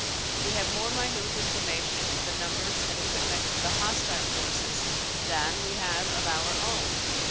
We have more minute information of the numbers and equipment of the hostile forces than we have of our own.